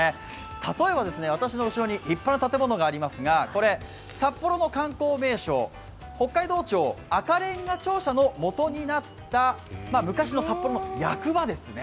例えば私の後ろに立派な建物がありますがこれ、札幌の観光名所、北海道庁赤れんが庁舎の元になった昔の札幌の役場ですね。